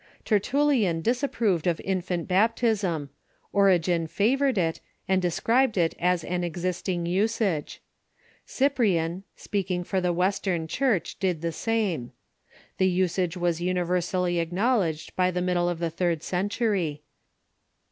Tertullian dis approved of infant baptism ; Origen favored it, and described it as an existing usage ; Cyprian, speaking for the Western Church, did the same. The usage was universally acknowl edged by the middle of the third century.